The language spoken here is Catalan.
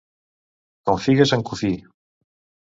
Com figues en cofí.